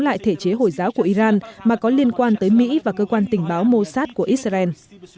lại thể chế hồi giáo của iran mà có liên quan tới mỹ và cơ quan tình báo mossad của israel